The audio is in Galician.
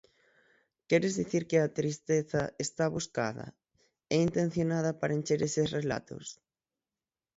Queres dicir que a tristeza está buscada, é intencionada para encher eses relatos?